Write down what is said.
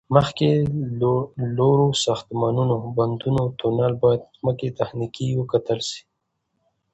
مخکې له لوړو ساختمانو، بندونو، تونل، باید ځمکه تخنیکی وکتل شي